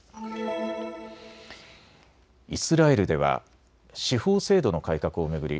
イスラエルでは司法制度の改革を巡り